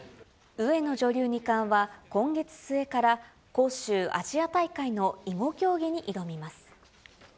上野女流二冠は今月末から、杭州アジア大会の囲碁競技に挑みます。